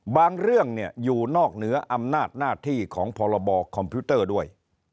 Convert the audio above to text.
เรื่องอยู่นอกเหนืออำนาจหน้าที่ของพรบคอมพิวเตอร์ด้วย